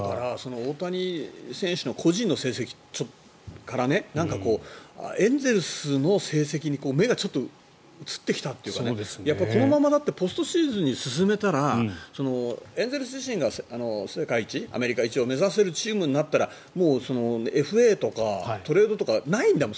大谷選手の個人の成績からエンゼルスの成績に目がちょっと移ってきたというかこのままポストシーズンに進めたらエンゼルス自身が世界一、アメリカ一を目指せるチームになったらもう、ＦＡとかトレードとかないんだもん。